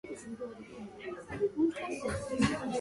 European and "Asiatic" pay and allowances were also different.